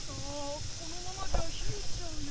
このままじゃひえちゃうよ。